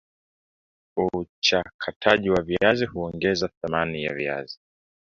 uchakataji wa viazi huongeza thamani ya viazi